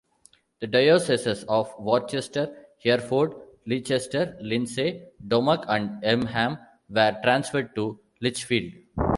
The dioceses of Worcester, Hereford, Leicester, Lindsey, Dommoc and Elmham were transferred to Lichfield.